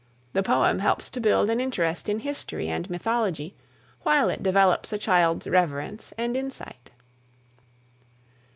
The poem helps to build an interest in history and mythology while it develops a child's reverence and insight.